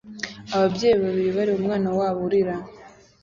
Ababyeyi babiri bareba umwana wabo urira